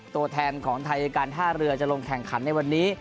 ตัวแทนของไทยการท่าเรือจะลงแข่งขันในวันนี้